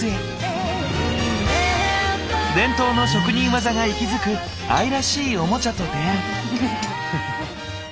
伝統の職人技が息づく愛らしいオモチャと出会い。